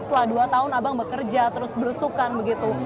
setelah dua tahun abang bekerja terus berusukan begitu